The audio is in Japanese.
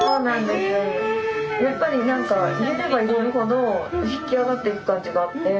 やっぱりなんか入れれば入れるほど引き上がってく感じがあって。